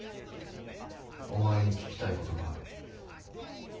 お前に聞きたいことがある。